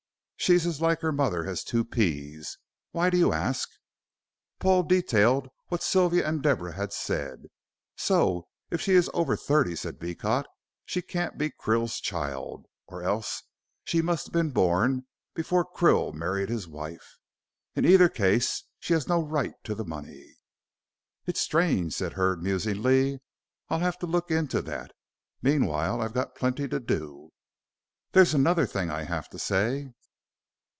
She's as like her mother as two peas. Why do you ask?" Paul detailed what Sylvia and Deborah had said. "So if she is over thirty," said Beecot, "she can't be Krill's child, or else she must have been born before Krill married his wife. In either case, she has no right to the money." "It's strange," said Hurd, musingly. "I'll have to look into that. Meanwhile, I've got plenty to do." "There's another thing I have to say."